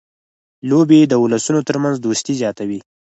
لوبې د اولسونو ترمنځ دوستي زیاتوي.